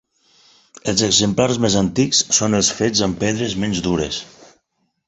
Els exemplars més antics són els fets amb pedres menys dures.